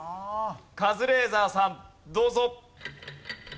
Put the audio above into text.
カズレーザーさんどうぞ。